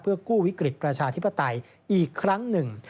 กู้วิกฤตประชาธิปไตยอีกครั้งหนึ่ง